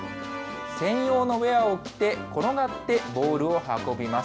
専用のウエアを着て、転がってボールを運びます。